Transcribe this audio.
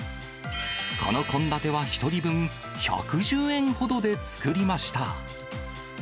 この献立は１人分１１０円ほどで作りました。